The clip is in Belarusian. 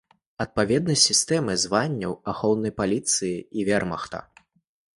Адпаведнасць сістэмы званняў ахоўнай паліцыі і вермахта.